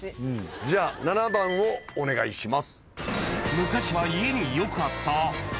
じゃあ７番をお願いします。